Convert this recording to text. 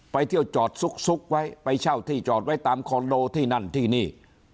ไปเที่ยวจอดซุกไว้ไปเช่าที่จอดไว้ตามคอนโดที่นั่นที่นี่